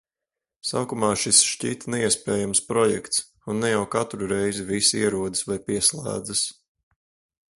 Sākumā šis šķita neiespējams projekts, un ne jau katru reizi visi ierodas vai pieslēdzas.